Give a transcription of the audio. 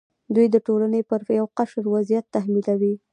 دوی د ټولنې پر یو قشر وضعیت تحمیلوي.